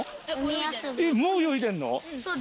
もう泳いでんの？